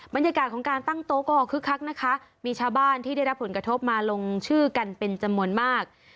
บรรยากาศของการตั้งโต๊ะก็คึกคักนะคะมีชาวบ้านที่ได้รับผลกระทบมาลงชื่อกันเป็นจำนวนมาก